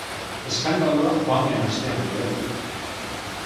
Eskandalua joan den astean lehertu zen.